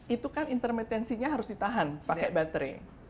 itu kan intermitensinya harus ditahan pakai baterai